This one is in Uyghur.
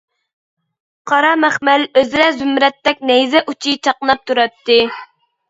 قارا مەخمەل ئۆزرە زۇمرەتتەك نەيزە ئۇچى چاقناپ تۇراتتى.